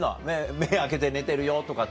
目開けて寝てるよとかって。